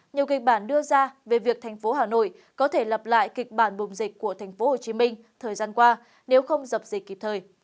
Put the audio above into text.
nhiều kịch bản đưa ra về việc thành phố hà nội có thể lập lại kịch bản bùng dịch của thành phố hồ chí minh thời gian qua nếu không dập dịch kịp thời